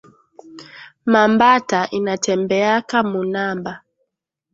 Ma mbata inatembeaka mu namba